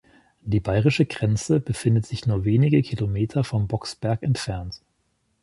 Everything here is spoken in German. Die bayerische Grenze befindet sich nur wenige Kilometer vom Bocksberg entfernt.